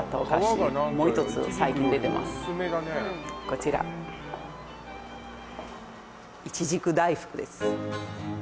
こちらいちじく大福です